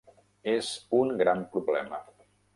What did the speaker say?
És un gran problema.